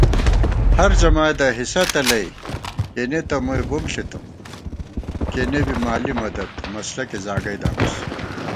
ہرجمائیدہ حصہ تلَئ کېنےتہ مُئی بُم ݪِتُم کېنےبی مالی مددمسلَکےزاگئی دامُس